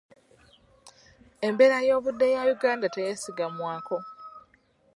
Embeera y'obudde ya Uganda teyeesigamwako.